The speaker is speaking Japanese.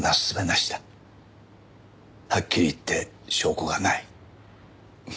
はっきり言って証拠がない。